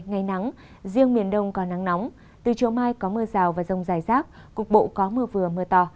ngày nắng riêng miền đông có nắng nóng từ chiều mai có mưa rào và rông dài rác cục bộ có mưa vừa mưa to